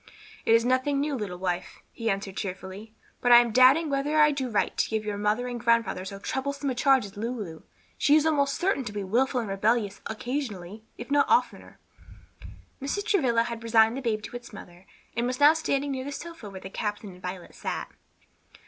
"It is nothing new, little wife," he answered cheerfully; "but I am doubting whether I do right to give your mother and grandfather so troublesome a charge as Lulu. She is almost certain to be wilful and rebellious occasionally, if not oftener." Mrs. Travilla had resigned the babe to its mother, and was now standing near the sofa where the captain and Violet sat.